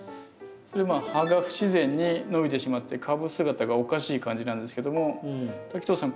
それまあ葉が不自然に伸びてしまって株姿がおかしい感じなんですけども滝藤さん